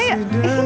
ini aku pin